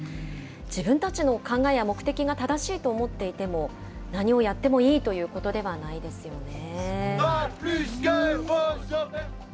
自分たちの考えや目的が正しいと思っていても、何をやってもいいということではないですよね。